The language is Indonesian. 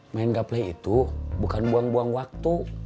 main gaplay itu bukan buang buang waktu